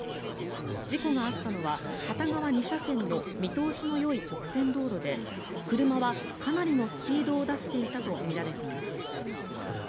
事故があったのは片側２車線の見通しのよい直線道路で車はかなりのスピードを出していたとみられています。